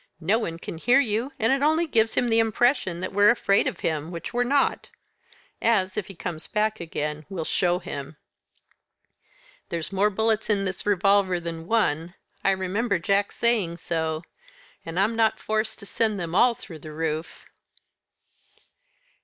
No one can hear you, and it only gives him the impression that we're afraid of him, which we're not; as, if he comes back again, we'll show him. There's more bullets in this revolver than one I remember Jack saying so; and I'm not forced to send them all through the roof."